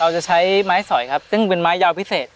จะใช้ไม้สอยครับซึ่งเป็นไม้ยาวพิเศษ